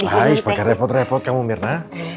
hai sebagian repot repot kamu mirna